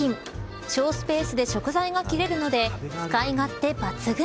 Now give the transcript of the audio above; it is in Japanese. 省スペースで食材が切れるので使い勝手抜群。